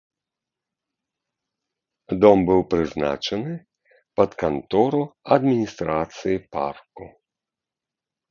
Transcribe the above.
Дом быў прызначаны пад кантору адміністрацыі парку.